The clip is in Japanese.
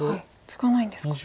ツガないんですか。